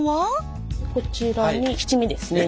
こちらに七味ですね。